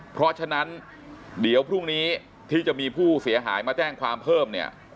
เพราะฉะนั้นเดี๋ยวพรุ่งนี้ที่จะมีผู้เสียหายมาแจ้งความเพิ่มเนี่ย